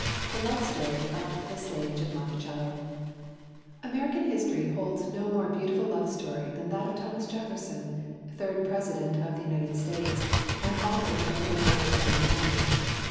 The Love Story of the "Sage of Monticello" American history holds no more beautiful love story than that of Thomas Jefferson, third President of the United States, and author of the Declaration of Independence.